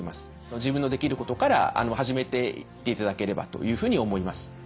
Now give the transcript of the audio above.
自分のできることから始めていっていただければというふうに思います。